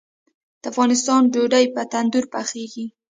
د افغانستان ډوډۍ په تندور پخیږي